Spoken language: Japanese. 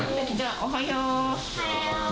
おはよー。